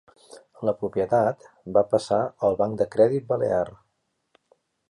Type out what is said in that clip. La propietat va passar al Banc de Crèdit Balear.